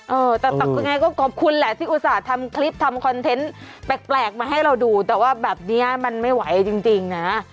เออแต่ยังไงก็ขอบคุณแหละที่อุตส่าห์ทำคลิปทำคอนเทนต์แปลกมาให้เราดูแต่ว่าแบบนี้มันไม่ไหวจริงนะ